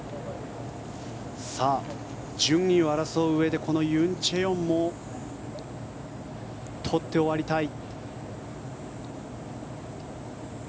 順位を争ううえでこのユン・チェヨンも取って終わりたい。